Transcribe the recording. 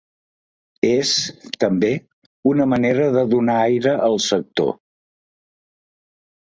És, també, una manera de donar aire al sector.